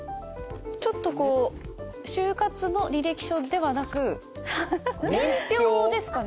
ちょっとこう就活の履歴書ではなく年表ですかね。